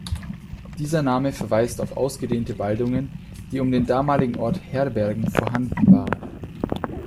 Dieser Name verweist auf ausgedehnte Waldungen, die um den damaligen Ort "Herbergen" vorhanden waren.